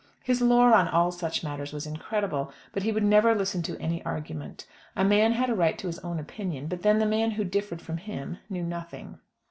His lore on all such matters was incredible, but he would never listen to any argument. A man had a right to his own opinion; but then the man who differed from him knew nothing.